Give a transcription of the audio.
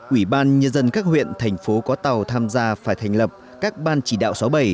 ủy ban nhân dân các huyện thành phố có tàu tham gia phải thành lập các ban chỉ đạo sáu mươi bảy